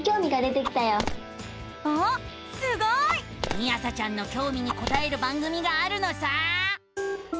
みあさちゃんのきょうみにこたえる番組があるのさ！